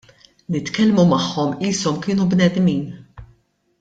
Nitkellmu magħhom qishom kienu bnedmin.